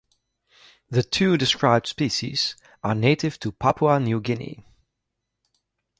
The two described species are native to Papua New Guinea.